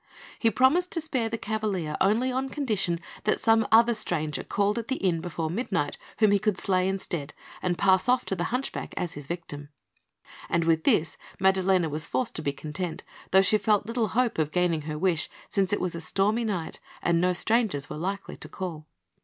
He promised to spare the cavalier only on condition that some other stranger called at the inn before midnight, whom he could slay instead, and pass off to the hunchback as his victim; and with this, Maddalena was forced to be content, though she felt little hope of gaining her wish, since it was a stormy night, and no strangers were likely to call.